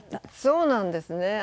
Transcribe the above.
そうなんですね。